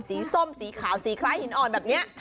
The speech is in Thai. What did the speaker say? สีส้นสีขาวล่างกับหินอ่อนแบบนี้